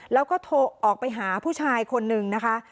แล้วก็โทรออกไปหาผู้ชายคนนึงนะคะ